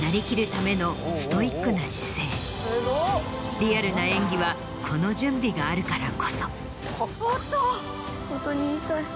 リアルな演技はこの準備があるからこそ。